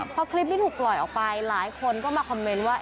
พอคลิปนี้ถูกปล่อยออกไปหลายคนก็มาคอมเมนต์ว่า